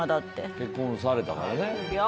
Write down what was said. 結婚されたからね。